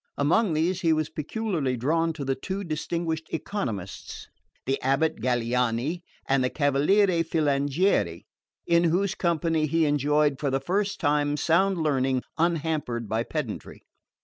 Among these, he was peculiarly drawn to the two distinguished economists, the abate Galiani and the cavaliere Filangieri, in whose company he enjoyed for the first time sound learning unhampered by pedantry.